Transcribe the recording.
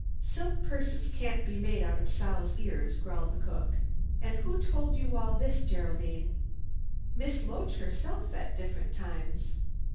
"Silk purses can't be made out of sows' ears," growled the cook, "an' who told you all this Geraldine?" "Miss Loach herself, at different times."